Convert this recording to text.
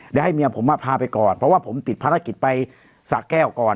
เดี๋ยวให้เมียผมมาพาไปก่อนเพราะว่าผมติดภารกิจไปสะแก้วก่อน